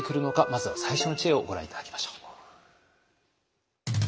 まずは最初の知恵をご覧頂きましょう。